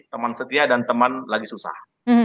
teman setia dan teman lagi susah